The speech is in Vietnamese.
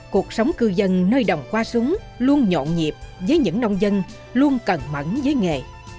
cuộc sống cư dân nơi đồng qua súng luôn nhộn nhịp với những nông dân luôn cẩn mẫn với nghề